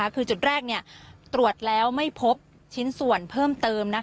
คือจุดแรกตรวจแล้วไม่พบชิ้นส่วนเพิ่มเติม